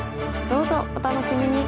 どうぞお楽しみに！